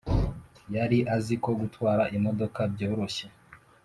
Yari azi ko gutwara imodoka byoroshye